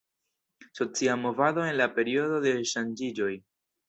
Socia movado en la periodo de ŝanĝiĝoj.